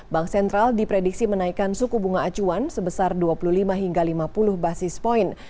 bank sentral diprediksi menaikkan suku bunga acuan sebesar dua puluh lima hingga lima puluh basis point